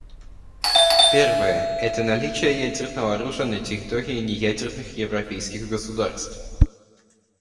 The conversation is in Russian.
Первая — это наличие ядерного оружия на территории неядерных европейских государств.